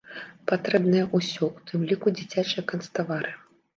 Патрэбнае ўсё, у тым ліку дзіцячыя канцтавары.